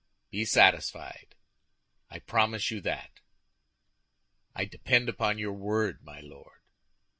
"Be satisfied; I promise you that." "I depend upon your word, my Lord."